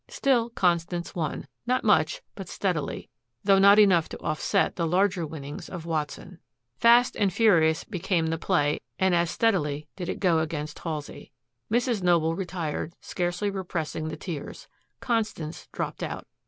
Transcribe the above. Still Constance won, not much, but steadily, though not enough to offset the larger winnings of Watson. Fast and furious became the play and as steadily did it go against Halsey. Mrs. Noble retired, scarcely repressing the tears. Constance dropped out.